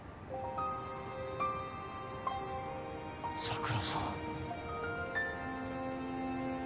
桜さん。